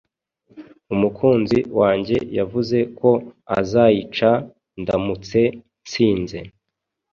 Umukunzi wanjye yavuze ko azaica ndamutse nsinze.